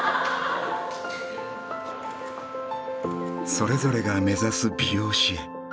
それぞれが目指す美容師へ